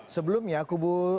sebelum ya kubu